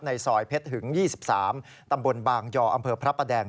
ซอยเพชรหึง๒๓ตำบลบางยออำเภอพระประแดง